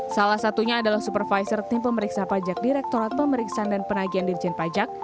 salah satunya adalah supervisor tim pemeriksa pajak direktorat pemeriksaan dan penagihan dirjen pajak